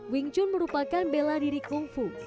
wing chun merupakan bela diri kungfu